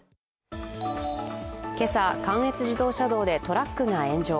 今朝、関越自動車道でトラックが炎上。